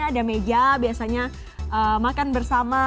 ada meja biasanya makan bersama